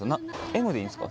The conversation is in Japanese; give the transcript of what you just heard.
Ｍでいいんすか？